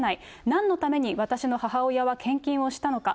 なんのために私の母親は献金をしたのか。